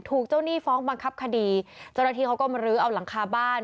ถูกเจ้าหนี้ฟ้องบังคับคดีเจ้าหน้าที่เขาก็มาลื้อเอาหลังคาบ้าน